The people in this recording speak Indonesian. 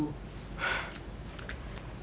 jangan sebut kata itu lagi